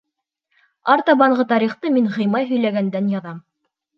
Артабанғы тарихты мин Ғимай һөйләгәндән яҙам.